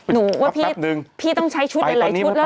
หนูว่าพี่ต้องใช้ชุดหลายชุดแล้ว